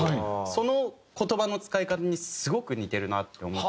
その言葉の使い方にすごく似てるなって思って。